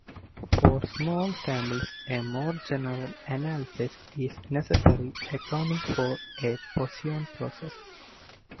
For small samples, a more general analysis is necessary, accounting for a Poisson process.